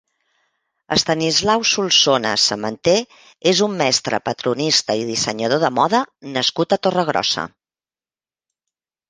Estanislao Solsona Sementé és un mestre patronista i dissenyador de Moda nascut a Torregrossa.